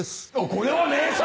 これは名産。